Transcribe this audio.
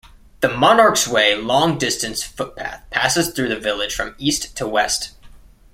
The Monarch's Way long distance footpath passes through the village from east to west.